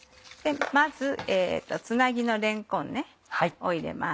まずつなぎのれんこんを入れます。